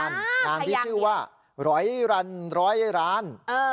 งานที่ชื่อว่า๑๐๐ล้าน๑๐๐ล้าน